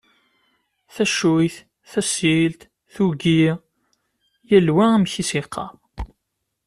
Taccuyt, tasilt, tuggi: yal wa amek i as-yeqqar.